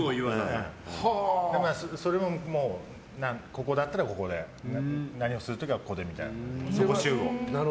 それも、もうここだったらここで何をする時は、ここでみたいなここ集合みたいな。